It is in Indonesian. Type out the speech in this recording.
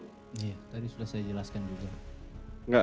iya tadi sudah saya jelaskan juga